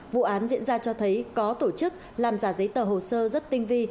vụ án diễn ra cho thấy có tổ chức làm giả giấy tờ hồ sơ rất tinh vi